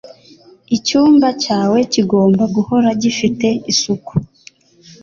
Icyumba cyawe kigomba guhora gifite isuku.